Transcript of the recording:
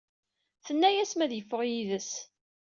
Tenna-yas m ad yeffeɣ yid-s.